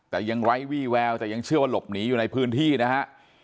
แต่ยังไร้วี่แววแต่ยังเชื่อว่าหลบหนีอยู่ในพื้นที่นะฮะ